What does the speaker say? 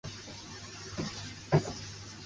五反田站的铁路车站。